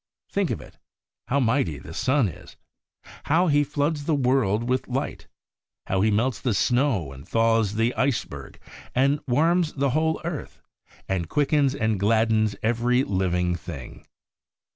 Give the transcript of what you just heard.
Think of it! How mighty the sun is 1 how he floods the world with light 1 how he melts the snow, and thaws the iceberg, and warms the whole earth, and quickens and gladdens every living thing